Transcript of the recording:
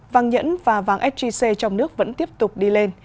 vàng nhẫn và vàng sgc trong nước vẫn tiếp tục đi lên